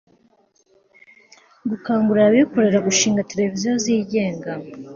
gukangurira abikorera gushinga television zigenga